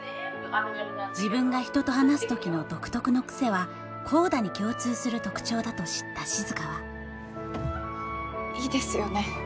自分が人と話す時の独特の癖はＣＯＤＡに共通する特徴だと知った静はいいですよね